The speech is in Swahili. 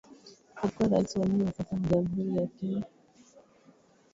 Alikuwa raisi wa nne na wa sasa wa Jamhuri ya Kenya